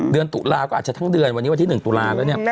เดือนตุลาก็อาจจะทั้งเดือนวันนี้วันที่๑ตุลาคมแล้ว